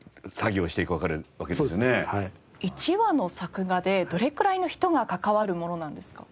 １話の作画でどれくらいの人が関わるものなんですか？